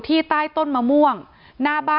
ที่มีข่าวเรื่องน้องหายตัว